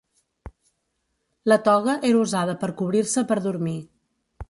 La toga era usada per cobrir-se per dormir.